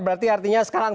berarti artinya sekarang